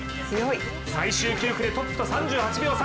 最終９区でトップと３８秒差。